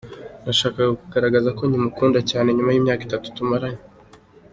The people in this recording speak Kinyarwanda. Nashakaga kugaragaza ko nkimukunda cyane nyuma y’imyaka itatu tumaranye.